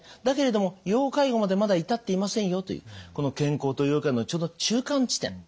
だけれども要介護までまだ至っていませんよというこの健康と要介護のちょうど中間地点。